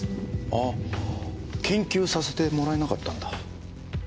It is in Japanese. ああ研究させてもらえなかったんだ？